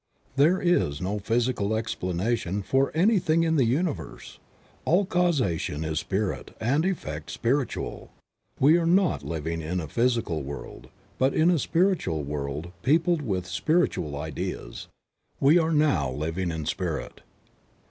There is no physical explanation for anything in the universe ; all causation is Spirit and all effect spiritual. We are not living in a physical world but in a spiritual world peopled with spiritual ideas. We are now living in Spirit.